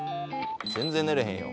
全然寝れへんよ。